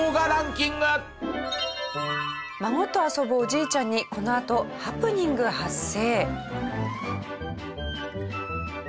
孫と遊ぶおじいちゃんにこのあとハプニング発生。